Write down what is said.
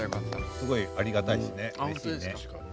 すごいありがたいですねうれしいね。